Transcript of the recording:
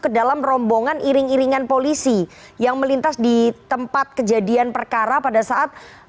ke dalam rombongan iring iringan polisi yang melintas di tempat kejadian perkara pada saat